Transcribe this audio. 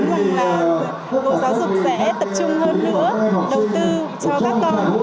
mình mong là bộ giáo dục sẽ tập trung hơn nữa đầu tư cho các con